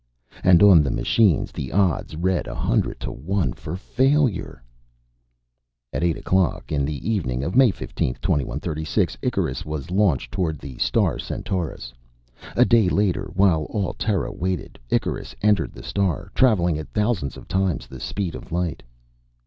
And on the machines the odds read a hundred to one for failure. At eight o'clock in the evening of May 15, 2136, Icarus was launched toward the star Centaurus. A day later, while all Terra waited, Icarus entered the star, traveling at thousands of times the speed of light.